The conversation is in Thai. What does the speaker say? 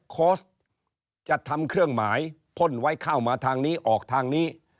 โค้ชจะทำเครื่องหมายพ่นไว้เข้ามาทางนี้ออกทางนี้